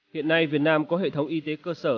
hiện nay việt nam có hệ thống y tế cơ sở